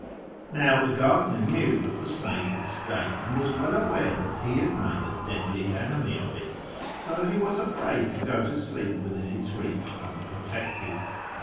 " Now, the gardener knew that the snake had escaped, and was well aware that he had made a deadly enemy of it, so he was afraid to go to sleep within its reach unprotected.